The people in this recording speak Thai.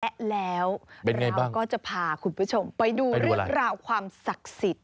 และแล้วเราก็จะพาคุณผู้ชมไปดูเรื่องราวความศักดิ์สิทธิ